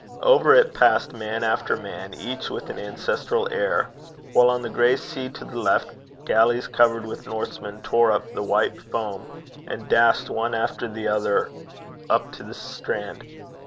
Over it passed man after man, each with an ancestral air, while on the gray sea to the left, galleys covered with Norsemen tore up the white foam, and dashed one after the other up to the strand.